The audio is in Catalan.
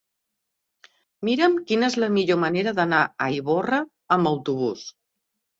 Mira'm quina és la millor manera d'anar a Ivorra amb autobús.